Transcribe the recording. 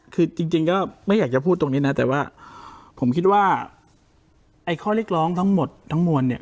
คือจริงก็ไม่อยากจะพูดตรงนี้นะแต่ว่าผมคิดว่าไอ้ข้อเรียกร้องทั้งหมดทั้งมวลเนี่ย